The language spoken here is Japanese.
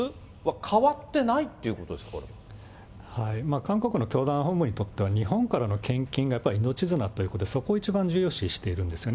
韓国の教団本部にとっては、日本からの献金がやっぱり命綱ということで、そこを一番重要視しているんですよね。